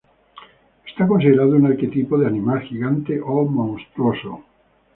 Es considerado un arquetipo de animal gigante o monstruoso.